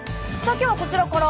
今日はこちらから。